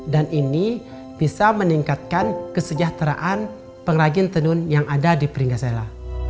dan ini bisa meningkatkan kesejahteraan pengrajin tenun yang ada di peringgasela